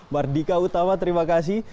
mardika utama terima kasih